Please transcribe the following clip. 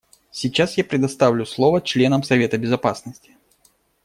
Сейчас я предоставлю слово членам Совета Безопасности.